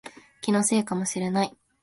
気のせいかもしれない